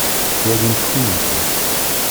Walimt kunemti.